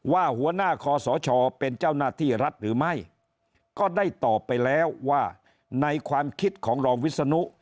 ว่าหัวหน้าคอสชเป็นเจ้าหน้าที่รัฐหรือไม่ก็ได้ตอบไปแล้วว่าในความคิดของรองวิศนุ